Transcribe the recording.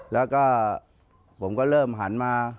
แล้วก็ผมก็เริ่มหันมา